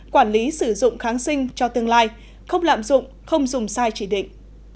quản lý sử dụng kháng sinh cho tương lai không lạm dụng không dùng sai chỉ định